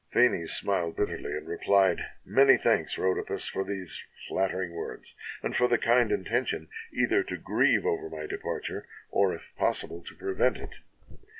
Phanes smiled bitterly, and replied: "Many thanks, Rhodopis, for these flattering words, and for the kind intention either to grieve over my departure, or, if possi ble, to prevent it.